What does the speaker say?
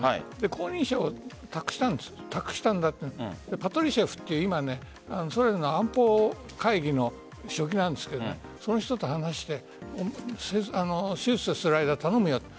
後任を託したパトルシェフというソ連の安保会議の書記なんですけどその人と話して手術している間、頼むよと。